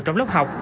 trong lớp học